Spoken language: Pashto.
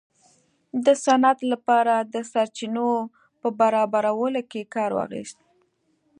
د صنعت لپاره د سرچینو په برابرولو کې کار واخیست.